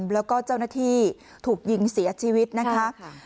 แล้วก็เจ้าหน้าที่ถูกยิงเสียชีวิตนะคะ